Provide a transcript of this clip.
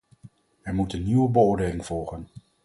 Er moet een nieuwe beoordeling volgen.